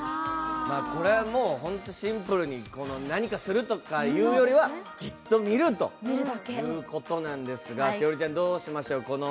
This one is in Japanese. これはもう本当、シンプルに何かするとかいうよりはじっと見るということなんですが栞里ちゃんどうしましょう。